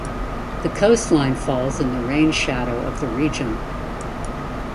The coast line falls in the rain-shadow of the region.